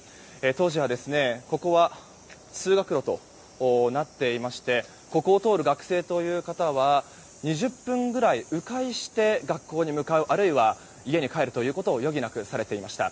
当時は、ここは通学路となっていましてここを通る学生という方は２０分くらい迂回して学校に向かうあるいは家に帰ることを余儀なくされていました。